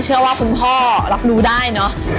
เชื่อว่าคุณพ่อรับรู้ได้เนอะ